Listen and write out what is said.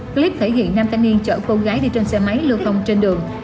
clip thể hiện nam thanh niên chở cô gái đi trên xe máy lưu thông trên đường